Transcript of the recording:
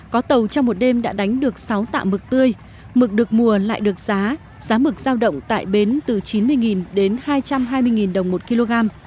có tàu trong một đêm đã đánh được sáu tạ mực tươi mực được mùa lại được giá giá mực giao động tại bến từ chín mươi đến hai trăm hai mươi đồng một kg